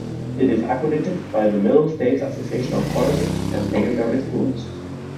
It is accredited by the Middle States Association of Colleges and Secondary Schools.